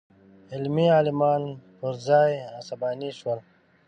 علمي عالمان پر ځای عصباني شول.